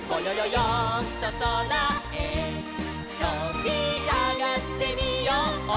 よんとそらへとびあがってみよう」